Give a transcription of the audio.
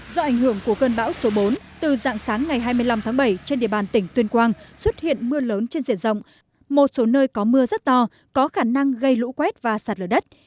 do ảnh hưởng của cơn bão số bốn từ dạng sáng ngày hai mươi năm tháng bảy trên địa bàn tỉnh tuyên quang xuất hiện mưa lớn trên diện rộng một số nơi có mưa rất to có khả năng gây lũ quét và sạt lở đất